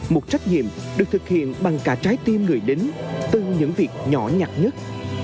một trách nhiệm được thực hiện bằng cả trái tim người lính từ những việc nhỏ nhặt nhất